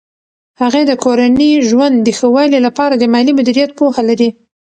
هغې د کورني ژوند د ښه والي لپاره د مالي مدیریت پوهه لري.